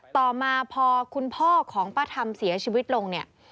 ต่อมาพอคุณพ่อของป้าทำเสียชีวิตลงเนี่ย